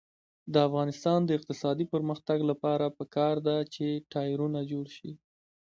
د افغانستان د اقتصادي پرمختګ لپاره پکار ده چې ټایرونه جوړ شي.